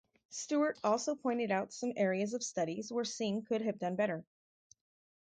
Stewart also pointed out some areas of studies where Singh could have done better.